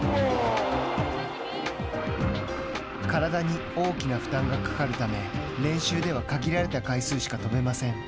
体に大きな負担がかかるため練習では限られた回数しか跳べません。